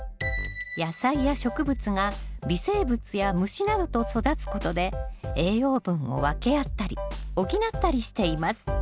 野菜や植物が微生物や虫などと育つことで栄養分を分け合ったり補ったりしています